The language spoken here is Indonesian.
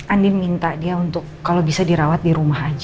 andi minta dia untuk kalau bisa dirawat di rumah aja